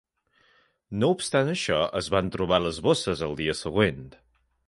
No obstant això, es van trobar les bosses al dia següent.